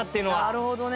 なるほどね。